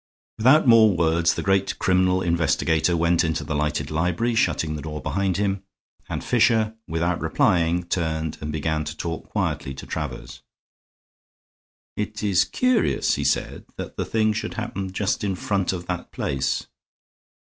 Without more words the great criminal investigator went into the lighted library, shutting the door behind him, and Fisher, without replying, turned and began to talk quietly to Travers. "It is curious," he said, "that the thing should happen just in front of that place."